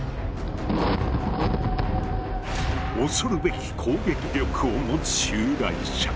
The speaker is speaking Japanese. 恐るべき攻撃力を持つ襲来者。